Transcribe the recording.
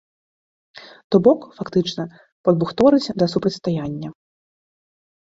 То бок, фактычна, падбухторыць да супрацьстаяння.